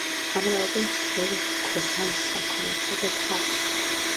ამრავლებენ მსხვილ რქოსან საქონელსა და თხას.